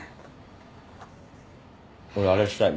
俺あれしたい。